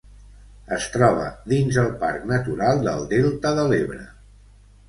Es troba dins el parc Natural del Delta de l'Ebre.